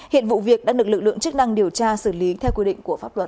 hiện vụ việc đã được lực lượng chức năng điều tra xử lý theo quy định của pháp luật